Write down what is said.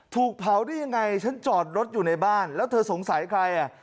ถูกเผาได้ยังไงฉันจอดรถอยู่ในบ้านแล้วเธอสงสัยใครอ่ะ